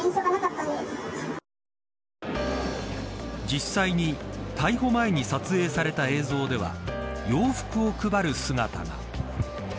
実際に、逮捕前に撮影された映像では洋服を配る姿が。